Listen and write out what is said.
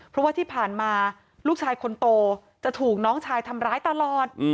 เพราะว่าที่ผ่านมาลูกชายคนโตจะถูกน้องชายทำร้ายตลอด